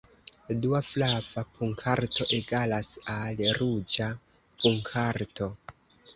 Dua flava punkarto egalas al ruĝa punkarto.